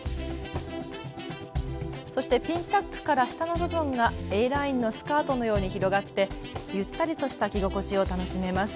そしてピンタックから下の部分がＡラインのスカートのように広がってゆったりとした着心地を楽しめます。